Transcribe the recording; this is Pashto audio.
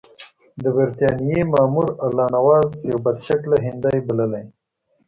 د برټانیې مامور الله نواز یو بدشکله هندی بللی.